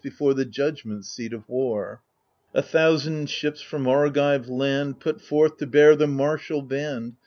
Before the judgment seat of War I A thousand ships from Argive land Put forth to bear the martial band.